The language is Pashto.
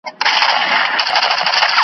هر غلام او هر مریی ورته بادار سي .